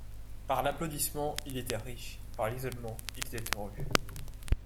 Par l’applaudissement, il était riche ; par l’isolement, il était heureux.